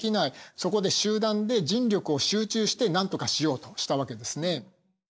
そこで集団で人力を集中してなんとかしようとしたわけですね。